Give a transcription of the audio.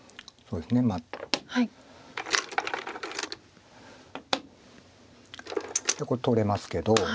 でこれ取れますけど。